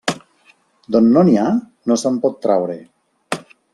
D'on no n'hi ha, no se'n pot traure.